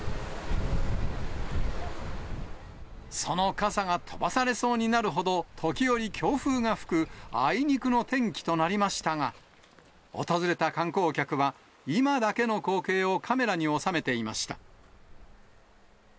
その傘が飛ばされそうになるほど時折、強風が吹くあいにくの天気となりましたが、訪れた観光客は、今だけの光景をカメラに収めていました。